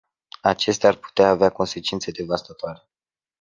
Acestea ar putea avea consecințe devastatoare.